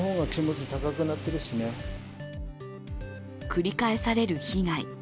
繰り返される被害。